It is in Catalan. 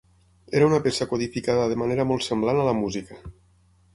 Era una peça codificada de manera molt semblant a la música.